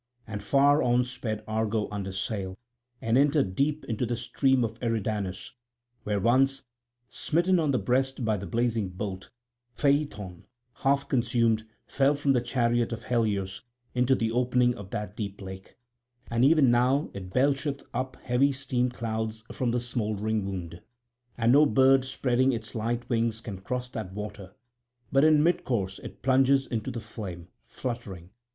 And far on sped Argo under sail, and entered deep into the stream of Eridanus; where once, smitten on the breast by the blazing bolt, Phaethon half consumed fell from the chariot of Helios into the opening of that deep lake; and even now it belcheth up heavy steam clouds from the smouldering wound. And no bird spreading its light wings can cross that water; but in mid course it plunges into the flame, fluttering.